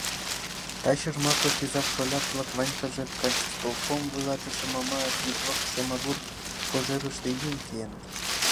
— Таче Жмаков изак-шоляк-влак, Ванькаже, кантисполком вуйлатыше Мамаев йӱдвошт Шемагур кожерыште йӱын киеныт...